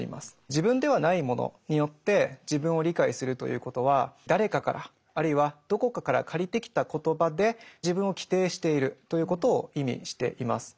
自分ではないものによって自分を理解するということは誰かからあるいはどこかから借りてきた言葉で自分を規定しているということを意味しています。